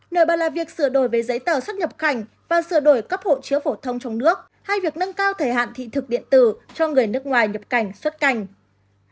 nổi bật là việc sửa đổi về giấy tờ xuất nhập cảnh và sửa đổi cấp hộ chiếu phổ thông trong nước hay việc nâng cao thời hạn thị thực điện tử cho người nước ngoài nhập cảnh xuất cảnh